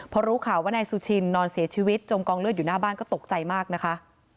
พอรู้ข่าวว่านายสุชินนอนเสียชีวิตจมกองเลือดอยู่หน้าบ้านก็ตกใจมากนะคะ